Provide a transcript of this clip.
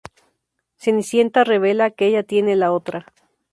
Cenicienta revela que ella tiene la otra.